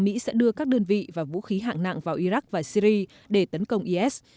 mỹ sẽ đưa các đơn vị và vũ khí hạng nặng vào iraq và syri để tấn công is